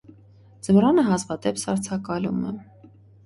Ձմռանը հազվադեպ սառցակալում է։